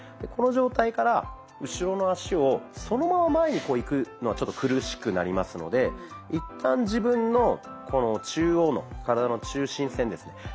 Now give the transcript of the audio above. この状態から後ろの足をそのまま前にこういくのはちょっと苦しくなりますので一旦自分の中央の体の中心線ですね